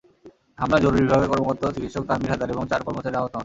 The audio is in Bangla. হামলায় জরুরি বিভাগে কর্তব্যরত চিকিৎসক তানভীর হায়দার এবং চার কর্মচারী আহত হন।